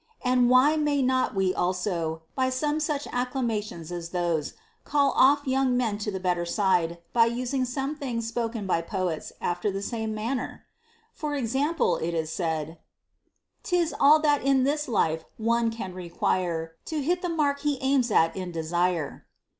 And why may not we also, by some such acclama tions as those, call off young men to the better side, by using some things spoken by poets after the same manner ? For example, it is said, 'Tis all that in this life one can require, To hit the mark he aims at in desire.